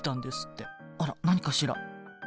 あら何かしら？